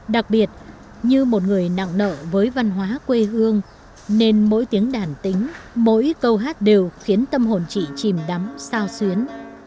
đặc biệt như một người nặng nợ với văn hóa quê hương nên mỗi tiếng đàn tính mỗi câu hát đều khiến tâm hồn chị chìm đắm sao xuyến